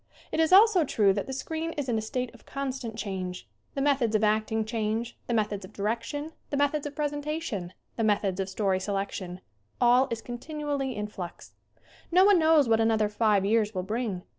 It is also true that the screen is in a state of constant change. The methods of acting change ; the methods of direction ; the methods of presentation ; the methods of story selection all is continually in flux. No one knows what another five years will bring.